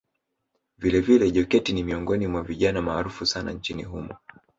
Vilevile Joketi ni miongoni mwa vijana maarufu sana nchini humo